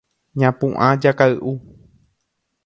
Ñapu'ã jakay'u.